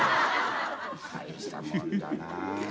大したもんだな。